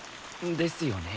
ですよね。